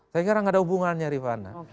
saya kira nggak ada hubungannya rifana